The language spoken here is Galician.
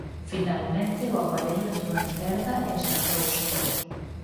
Finalmente o aparello entrou en perda e esnafrouse.